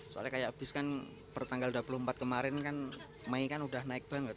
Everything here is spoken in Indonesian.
soalnya kayak abis kan per tanggal dua puluh empat kemarin kan mei kan udah naik banget